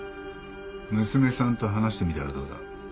娘さんと話してみたらどうだ？